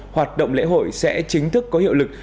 hoạt động lễ hội sẽ chính thức có hiệu lực